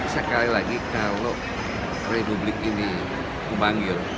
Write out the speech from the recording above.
sekali lagi kalau republik ini kubanggil